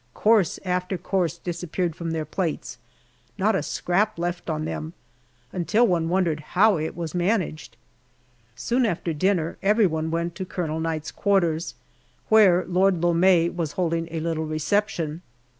Course after course disappeared from their plates not a scrap left on them until one wondered how it was managed. Soon after dinner everyone went to Colonel Knight's quarters, where Lord Lome was holding a little reception.